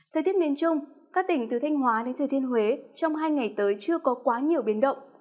thời tiết miền trung các tỉnh từ thanh hóa đến thừa thiên huế trong hai ngày tới chưa có quá nhiều biến động